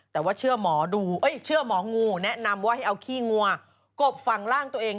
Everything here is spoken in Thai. แต่เชื่อหมองูแนะนำว่าให้เอาขี้งูกบฝั่งร่างตัวเอง